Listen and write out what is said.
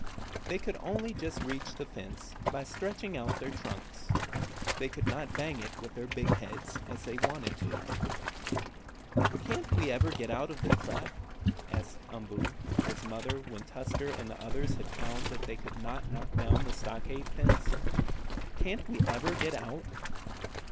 They could only just reach the fence by stretching out their trunks; they could not bang it with their big heads as they wanted to. "Can't we ever get out of the trap?" asked Umboo of his mother when Tusker and the others had found they could not knock down the stockade fence. "Can't we ever get out?"